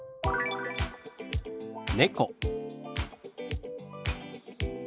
「猫」。